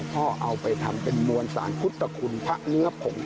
เอาไปทำเป็นมวลสารพุทธคุณพระเนื้อผง